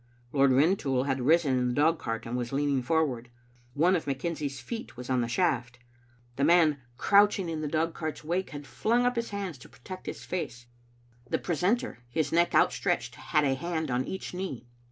Lord Rintoul had risen in the dogcart and was leaning forward. One of McKenzie's feet was on the shaft. The man crouching Digitized by VjOOQ IC XSbc XLcn o'clock JSelL 279 in the dogcart's wake had flung up his hands to protect his face. The precentor, his neck outstretched, had a hand on each knee.